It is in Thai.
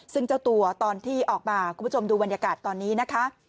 ซึ่งเจ้าตัวตอนที่ออกมาคุณผู้ชมดูบรรยากาศตอนนี้นะคะ